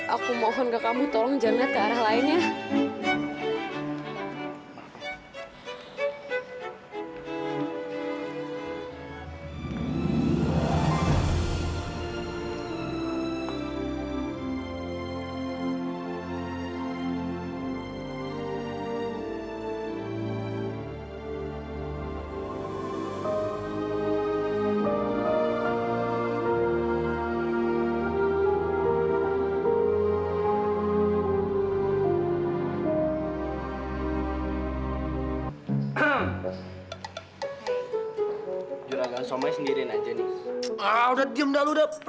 aku mohon ke kamu tolong jangan ke arah lainnya